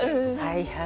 はいはい。